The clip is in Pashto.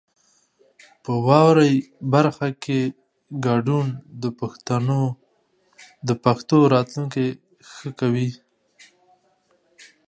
په واورئ برخه کې ګډون د پښتو راتلونکی ښه کوي.